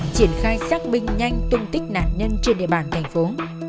triển khai xác minh nhanh tung tích nạn nhân trên địa bàn thành phố